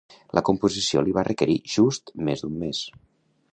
La composició li va requerir just més d'un mes.